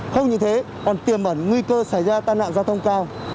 không như thế còn tiềm ẩn nguy cơ xảy ra tai nạn giao thông cao